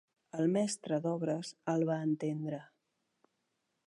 El mestre d'obres el va entendre